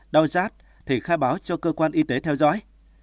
đau rát thì khai báo cho cơ quan y tế theo dõi